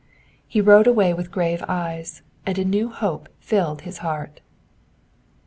He rode away with grave eyes, and a new hope filled his heart.